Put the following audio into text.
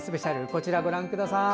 こちら、ご覧ください。